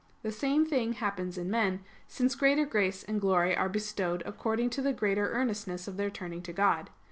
The same thing happens in men, since greater grace and glory are bestowed according to the greater earnestness of their turning to God.